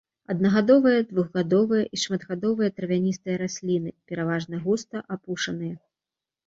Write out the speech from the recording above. Аднагадовыя, двухгадовыя і шматгадовыя травяністыя расліны, пераважна густа апушаныя.